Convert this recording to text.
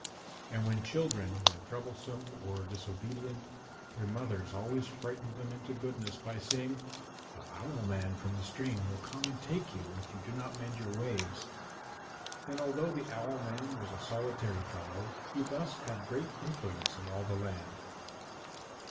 And when children were troublesome or disobedient, their mothers always frightened them into goodness by saying, "The Owl man from the stream will come and take you if you do not mend your ways." And although the Owl man was a solitary fellow he thus had great influence in all the land.